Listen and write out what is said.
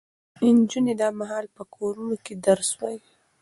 نجونې دا مهال په کورونو کې درس وايي.